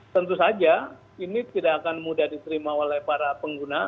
tentu saja ini tidak akan mudah diterima oleh para pengguna